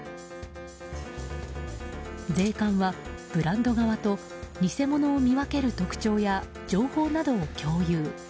税関は、ブランド側と偽物を見分ける特徴や情報などを共有。